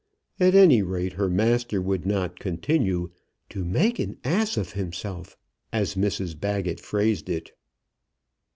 At any rate, her master would not continue "to make an ass of himself," as Mrs Baggett phrased it.